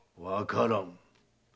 わからん。